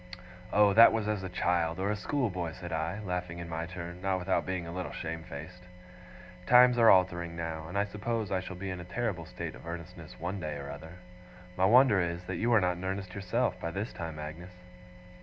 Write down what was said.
'Oh! that was as a child, or a schoolboy,' said I, laughing in my turn, not without being a little shame faced. 'Times are altering now, and I suppose I shall be in a terrible state of earnestness one day or other. My wonder is, that you are not in earnest yourself, by this time, Agnes.